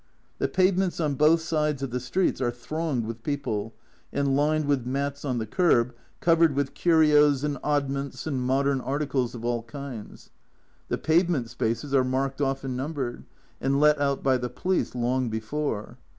The pavements on both sides of the streets are thronged with people, and lined with mats on the kerb, covered with curios and oddments and modern articles of all kinds. The pavement spaces are marked off and numbered, and let out by the police long before.